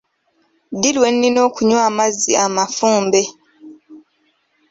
Ddi lwenina okunywa amazzi amafumbe?